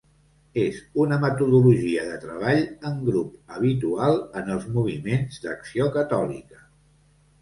És una metodologia de treball en grup habitual en els moviments d'Acció Catòlica.